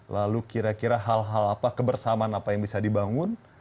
lalu kira kira hal hal apa kebersamaan apa yang bisa dibangun